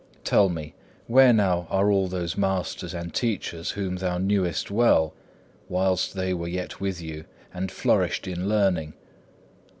Tell me, where now are all those masters and teachers, whom thou knewest well, whilst they were yet with you, and flourished in learning?